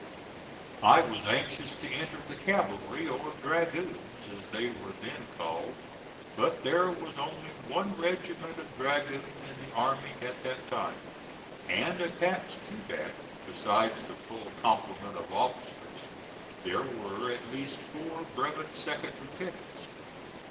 I was anxious to enter the cavalry, or dragoons as they were then called, but there was only one regiment of dragoons in the Army at that time, and attached to that, besides the full complement of officers, there were at least four brevet second lieutenants.